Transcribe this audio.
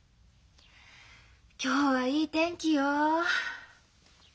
今日はいい天気よ。